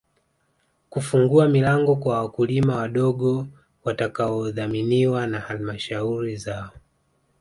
Kufungua milango kwa wakulima wadogo watakaodhaminiwa na Halmashauri zao